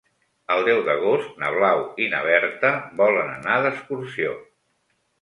El deu d'agost na Blau i na Berta volen anar d'excursió.